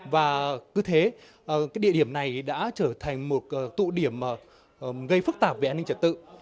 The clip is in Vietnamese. và cứ thế địa điểm này đã trở thành một tụ điểm gây phức tạp về an ninh trật tự